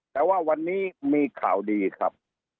แต่ว่าวันนี้มีข่าวดีครับ